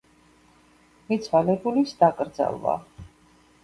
მიცვალებულის დაკრძალვა